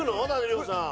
亮さん。